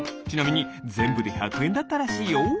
ちなみにぜんぶで１００えんだったらしいよ。